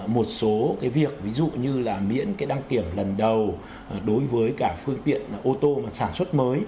một số cái việc ví dụ như là miễn cái đăng kiểm lần đầu đối với cả phương tiện ô tô mà sản xuất mới